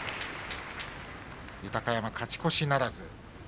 豊山、勝ち越しならず。